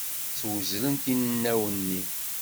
Swezlent inaw-nni.